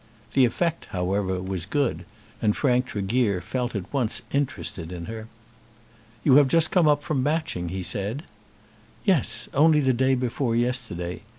The effect, however, was good, and Frank Tregear felt at once interested in her. "You have just come up from Matching?" he said. "Yes; only the day before yesterday.